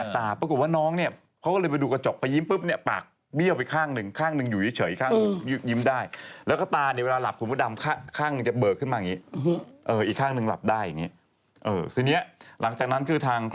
ที่ดินอยู่ราชพราวค์ซอย๔๘หลายไล่มาก